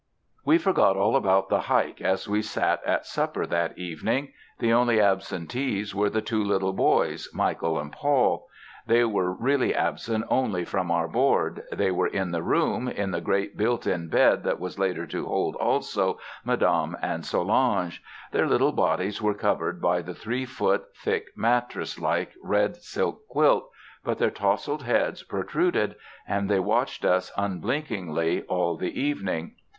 We forgot all about the hike as we sat at supper that evening. The only absentees were the two little boys, Michael and Paul. And they were really absent only from our board they were in the room, in the great built in bed that was later to hold also Madame and Solange. Their little bodies were covered by the three foot thick mattress like red silk quilt, but their tousled heads protruded and they watched us unblinkingly all the evening.